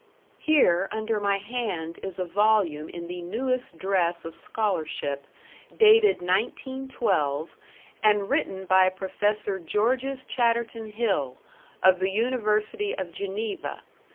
Here under my hand is a volume in the newest dress of scholarship, dated 1912, and written by Professor Georges Chatterton Hill, of the University of Geneva.